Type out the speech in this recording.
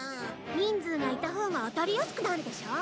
人数がいたほうが当たりやすくなるでしょ。